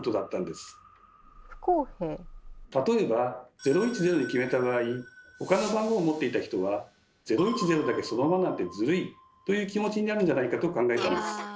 例えば「０１０」に決めた場合他の番号を持っていた人は「『０１０』だけそのままなんてズルい」という気持ちになるんじゃないかと考えたんです。